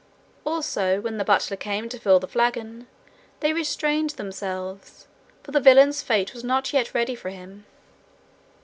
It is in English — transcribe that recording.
Also, when the butler came to fill the flagon, they restrained themselves, for the villain's fate was not yet ready for him.